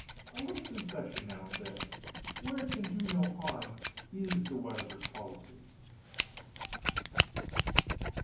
A little concession, now and then, where it can do no harm, is the wiser policy.